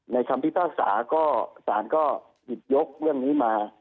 ในคำที่เจ้าสาร์ก็สาร์ก็หยิบยกเรื่องนี้มา